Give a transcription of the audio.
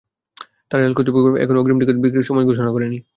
তবে রেল কর্তৃপক্ষ এখনো অগ্রিম টিকিট বিক্রির সময়সূচি আনুষ্ঠানিকভাবে ঘোষণা করেনি।